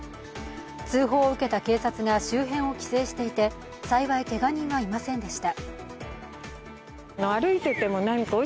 通報を受けた警察が周辺を規制していて幸い、けが人はいませんでした。